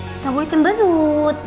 jangan boleh cemberut